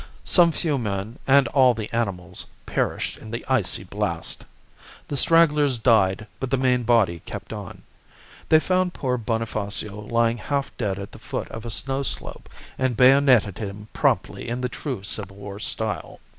Some few men, and all the animals, perished in the icy blast. The stragglers died, but the main body kept on. They found poor Bonifacio lying half dead at the foot of a snow slope, and bayoneted him promptly in the true Civil War style.